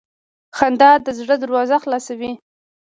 • خندا د زړه دروازه خلاصوي.